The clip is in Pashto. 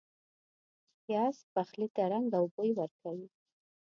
پیاز پخلي ته رنګ او بوی ورکوي